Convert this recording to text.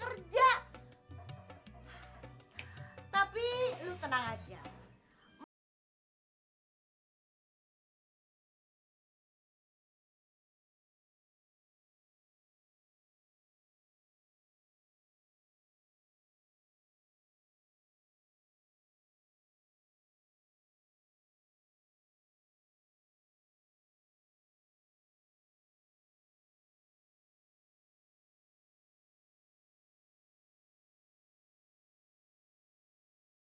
huuuh kurang ajar